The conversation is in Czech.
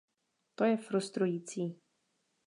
To je frustrující.